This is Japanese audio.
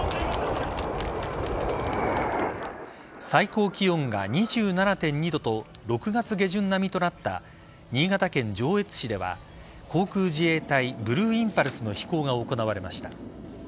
最高気温が２７．２度と６月下旬並みとなった新潟県上越市では航空自衛隊ブルーインパルスの飛行が行われました。